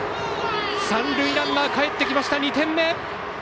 三塁ランナーがかえってきて２点目！